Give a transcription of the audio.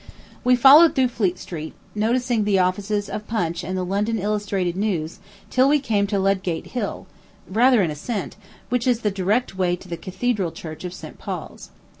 We followed through Fleet Street, noticing the offices of Punch and the London Illustrated News, till we came to Ludgate Hill, rather an ascent, which is the direct way to the Cathedral Church of St. Paul's.